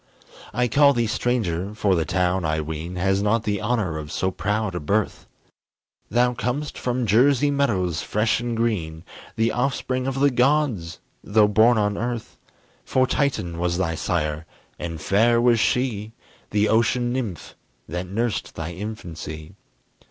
I call thee stranger, for the town, I ween, Has not the honor of so proud a birth: Thou com'st from Jersey meadows, fresh and green, The offspring of the gods, though born on earth; For Titan was thy sire, and fair was she, The ocean nymph that nursed thy infancy.